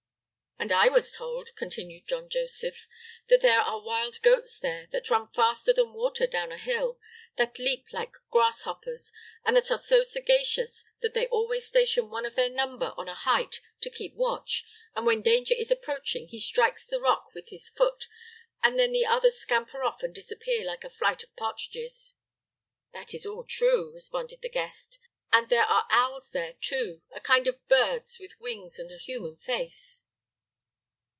"And I was told," continued John Joseph, "that there are wild goats there that run faster than water down a hill, that leap like grasshoppers, and that are so sagacious that they always station one of their number on a height to keep watch, and when danger is approaching he strikes the rock with his foot, and then the others scamper off and disappear like a flight of partridges." "That is all true," responded the guest; "and there are owls there, too, a kind of birds with wings and a human face."